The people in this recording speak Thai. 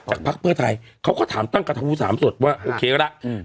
จากพักเพื่อไทยเขาก็ถามตั้งกระทะวูสามสดว่าอืมโอเคแล้วอืม